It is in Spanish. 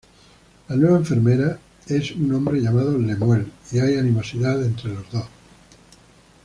La nueva enfermera es un hombre llamado Lemuel, y hay animosidad entre los dos.